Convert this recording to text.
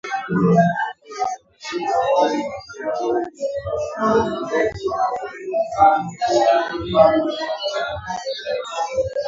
ambazo zinaweza kusababisha mapigano ikitoa taarifa za waasi wanaojihami